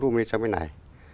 dung minh sang bên này